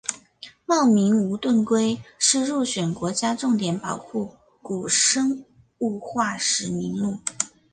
茂名无盾龟是入选国家重点保护古生物化石名录。